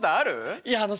いやあのさ